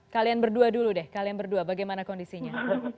kalian berdua dulu deh kalian berdua bagaimana kondisinya